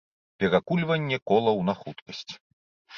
Перакульванне колаў на хуткасць.